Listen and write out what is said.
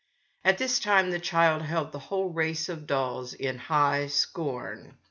At this time the child held the whole race of dolls in high scorn.